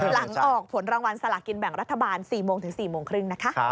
หลังออกผลรางวัลสลากินแบ่งรัฐบาล๔โมงถึง๔โมงครึ่งนะคะ